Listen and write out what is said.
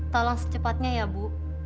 tolong secepatnya ya bu